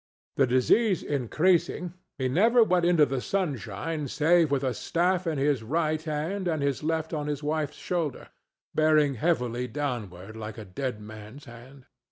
The disease increasing, he never went into the sunshine save with a staff in his right hand and his left on his wife's shoulder, bearing heavily downward like a dead man's hand.